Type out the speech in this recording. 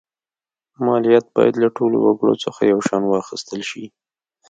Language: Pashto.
مالیات باید له ټولو وګړو څخه یو شان واخیستل شي.